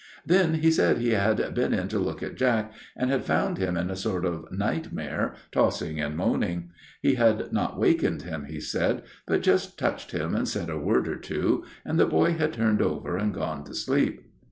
Then he said he had been in to look at Jack, and had found him in a sort of nightmare, tossing and moaning ; he had not wakened him, he said, but just touched him and said a word or two, and the boy had turned over and gone to sleep.